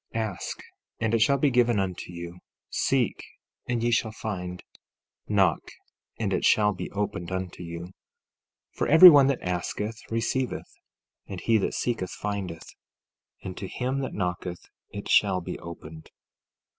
14:7 Ask, and it shall be given unto you; seek, and ye shall find; knock, and it shall be opened unto you. 14:8 For every one that asketh, receiveth; and he that seeketh, findeth; and to him that knocketh, it shall be opened.